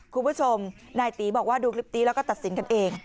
คุณผู้ชมนายตีบอกว่าดูคลิปนี้แล้วก็ตัดสินกันเอง